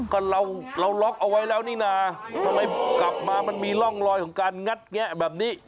ก็เราล็อกเอาไว้แล้วนี่นะทำไมกลับมามันมีร่องรอยของการงัดแงะแบบนี้